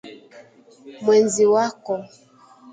mwenzi wako